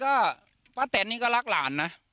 ป้าแตนก็ป้าแตนนี่ก็รักหลานนะ